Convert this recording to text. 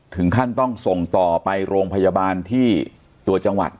ถึงขั้นต้องส่งต่อไปโรงพยาบาลที่ตัวจังหวัด